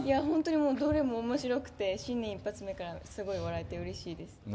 本当にどれも面白くて新年一発目からすごい笑えてうれしいです。